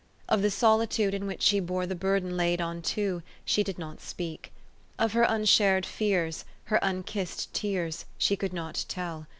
Of the solitude in which she bore the burden laid on two, she did not speak. Of her unshared fears, her unkissed tears, she could not tell.